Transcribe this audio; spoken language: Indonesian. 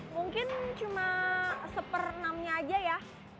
mungkin cuma seper enamnya aja ya